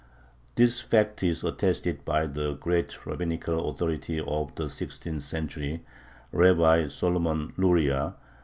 This fact is attested by the great rabbinical authority of the sixteenth century, Rabbi Solomon Luria.